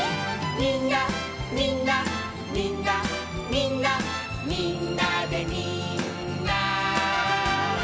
「みんなみんなみんなみんなみんなみんな」